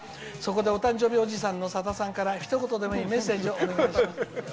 そこでお誕生日おじさんのさださんからひと言でもいいのでメッセージをお願いします」。